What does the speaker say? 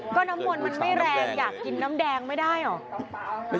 ก็น้ำมนต์มันไม่แรงอยากกินน้ำแดงไม่ได้เหรอ